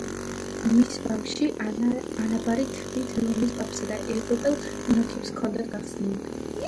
მის ბანკში ანაბარი თვით რომის პაპსა და ევროპელ მონარქებს ჰქონდათ გახსნილი.